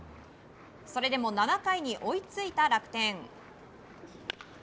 それでも７回に追いついた楽天。